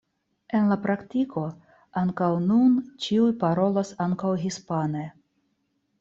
En la praktiko ankaŭ nun ĉiuj parolas ankaŭ hispane.